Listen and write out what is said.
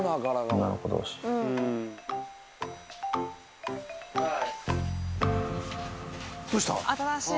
女の子どうし。